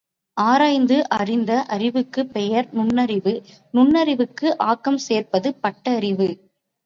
ஆராய்ந்து அறிந்த அறிவுக்கு பெயர் நுண்ணறிவு, நுண்ணறிவுக்கு ஆக்கம் சேர்ப்பது பட்டறிவு.